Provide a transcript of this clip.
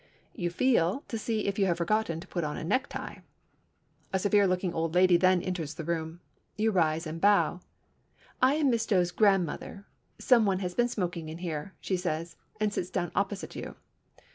You feel to see if you have forgotten to put on a necktie. A severe looking old lady then enters the room. You rise and bow. "I am Miss Doe's grandmother. Some one has been smoking in here," she says, and sits down opposite you.